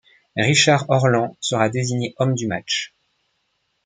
Richard Orlans sera désigné homme du match.